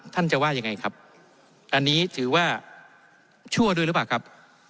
ท่านจะว่ายังไงครับอันนี้ถือว่าชั่วด้วยหรือเปล่าครับ